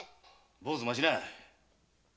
坊主待ちな。